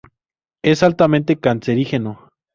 Es altamente carcinógeno.